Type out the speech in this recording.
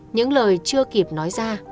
những lời chưa kịp nói ra